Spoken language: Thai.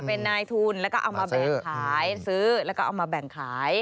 เป็นนายทุนแล้วก็เอามาแบ่งขายซื้อแล้วก็เอามาแบ่งขาย